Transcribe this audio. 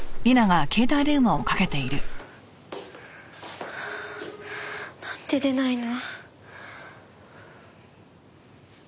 ぷはーっなんで出ないの？